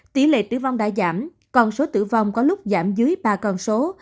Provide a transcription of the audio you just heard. tỷ lệ tử vong đã giảm còn số tử vong có lúc giảm dưới ba con số